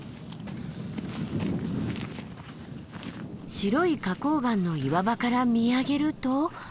白い花崗岩の岩場から見上げると。